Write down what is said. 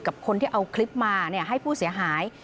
กับคนที่เอาคลิปมาให้ผู้เสียหาย